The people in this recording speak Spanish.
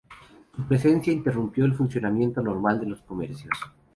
Su presencia interrumpió el funcionamiento normal de los comercios.